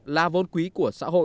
là vốn quý của xã hội